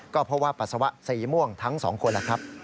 ก็เพราะว่าปัสสาวะสีม่วงทั้ง๒คนล่ะครับ